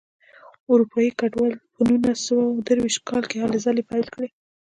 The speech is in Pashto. اروپایي کډوالو په نولس سوه درویشت کال کې هلې ځلې پیل کړې.